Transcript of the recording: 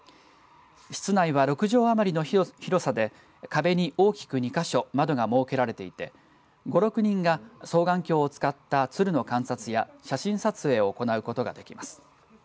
室内は６畳余りの広さで壁に大きく２か所窓が設けられていて５、６人が双眼鏡を使った鶴の観察や写真撮影を行うことができます。